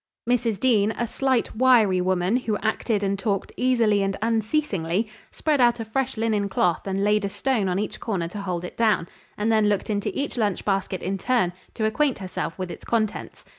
Mrs. Dean, a slight, wiry woman, who acted and talked easily and unceasingly, spread out a fresh linen cloth and laid a stone on each corner to hold it down, and then looked into each lunch basket in turn, to acquaint herself with its contents.